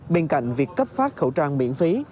bên cạnh việc cấp phát khẩu trang miễn phí